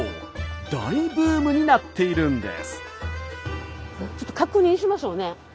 大ブームになっているんです。